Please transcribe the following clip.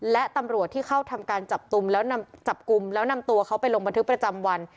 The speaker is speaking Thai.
และตำรวจที่เข้าทำการจับกลุ่มแล้วจับกลุ่มแล้วนำตัวเขาไปลงบันทึกประจำวัน